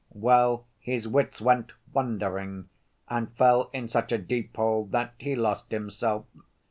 Well, his wits went wandering and fell in such a deep hole that he lost himself.